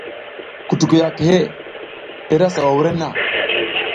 Kutukuy a kehe, i ra sawa wurenna.